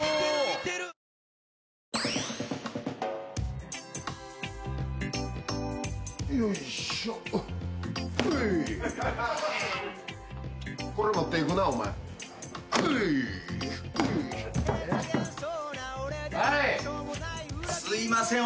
すいません。